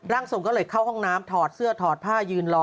ทรงก็เลยเข้าห้องน้ำถอดเสื้อถอดผ้ายืนรอ